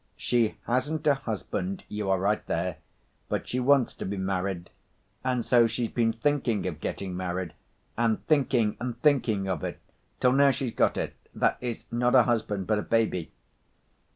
"She hasn't a husband, you are right there, but she wants to be married, and so she's been thinking of getting married, and thinking and thinking of it till now she's got it, that is, not a husband but a baby."